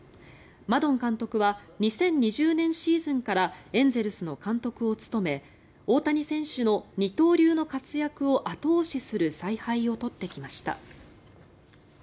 マドン監督は２０２０年シーズンからエンゼルスの監督を務め大谷選手の二刀流の活躍を後押しする采配を取ってきました。